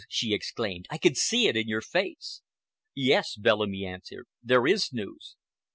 she exclaimed. "I can see it in your face." "Yes," Bellamy answered, "there is news!